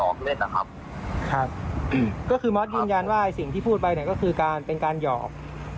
ก็คือมอสยืนยันว่าสิ่งที่พูดไปเนี่ยก็คือการเป็นการหยอก